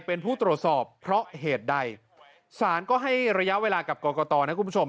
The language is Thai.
เป็นผู้ตรวจสอบเพราะเหตุใดสารก็ให้ระยะเวลากับกรกตนะคุณผู้ชม